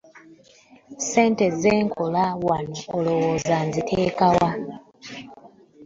Ssente ze nkola wano olowooza nziteeka wa?